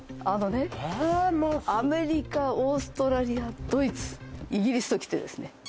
あのねアメリカオーストラリアドイツイギリスときてですね